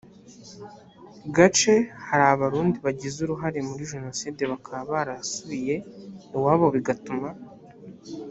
gace hari abarundi bagize uruhare muri jenoside bakaba barasubiye iwabo bigatuma